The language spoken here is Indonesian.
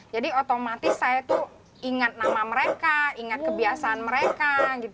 jadi otomatis saya ingat nama mereka ingat kebiasaan mereka